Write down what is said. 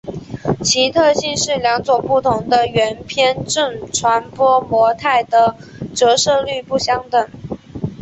其特性是两种不同的圆偏振传播模态的折射率不相等。